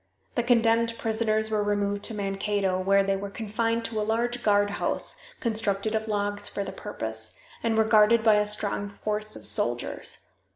The condemned prisoners were removed to Mankato, where they were confined in a large guardhouse, constructed of logs for the purpose, and were guarded by a strong force of soldiers.